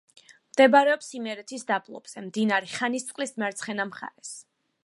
მდებარეობს იმერეთის დაბლობზე, მდინარე ხანისწყლის მარცხენა მხარეს.